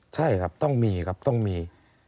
ใช่ครับต้องมีครับต้องมี